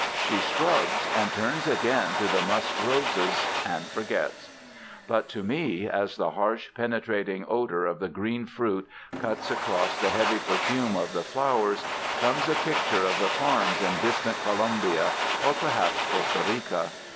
She shrugs and turns again to the musk roses, and forgets. But to me, as the harsh, penetrating odor of the green fruit cuts across the heavy perfume of the flowers, comes a picture of the farms in distant Colombia or perhaps Costa Rica.